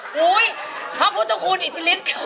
ขอบพระบุทธคุณอิทธิฤทธิ์